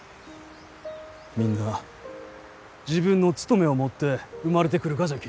みんな自分の務めを持って生まれてくるがじゃき。